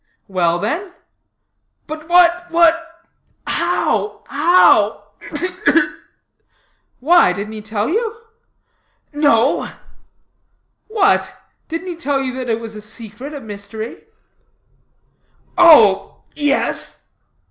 "Well, then?" "But what, what how, how ugh, ugh!" "Why, didn't he tell you?" "No." "What! Didn't he tell you that it was a secret, a mystery?" "Oh yes."